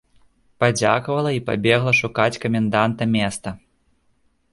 Падзякавала і пабегла шукаць каменданта места.